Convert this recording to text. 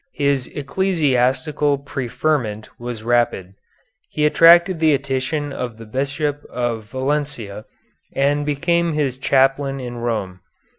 His ecclesiastical preferment was rapid. He attracted the attention of the Bishop of Valencia, and became his chaplain in Rome.